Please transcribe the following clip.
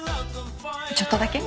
ちょっとだけ。